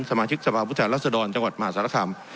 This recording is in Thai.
สมาชิกสภาพุทธรัศดรจังหวัดมหาสารคาม